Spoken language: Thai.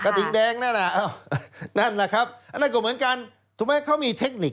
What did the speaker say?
กระทิงแดงนั่นอ่ะนั่นล่ะครับนั่นก็เหมือนกันถูกไหมเขามีเทคนิค